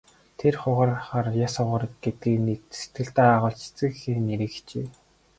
Нэр хугарахаар яс хугар гэдгийг сэтгэлдээ агуулж эцэг эхийн нэрийг хичээе.